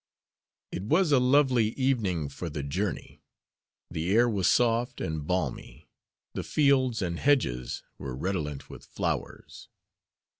It was a lovely evening for the journey. The air was soft and balmy. The fields and hedges were redolent with flowers.